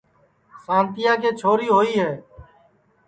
سانتِیا کے چھوری ہوئی ہے